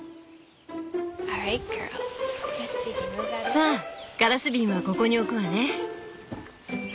さあガラス瓶はここに置くわね。